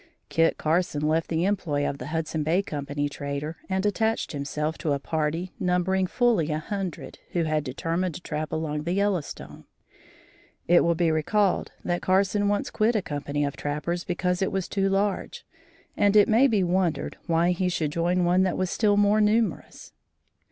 Kit Carson left the employ of the Hudson Bay Company trader and attached himself to a party numbering fully a hundred who had determined to trap along the Yellowstone. It will be recalled that Carson once quit a company of trappers because it was too large, and it may be wondered why he should join one that was still more numerous.